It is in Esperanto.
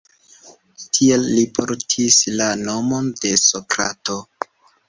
Tie li portis la nomon de Sokrato.